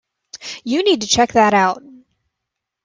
You need to check that out.